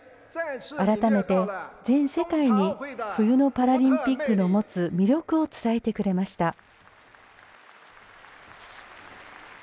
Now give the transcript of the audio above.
改めて全世界に冬のパラリンピックの持つ魅力を伝えてくれました。